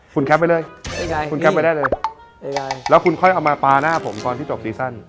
คุณแคปไว้เลยคุณแป๊ปไว้ได้เลยแล้วคุณค่อยเอามาปาหน้าผมตอนที่จบซีซั่น